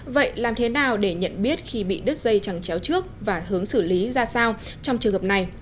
vậy làm thế nào để nhận biết khi bị đứt dây trắng chéo trước và hướng xử lý ra sao trong trường hợp này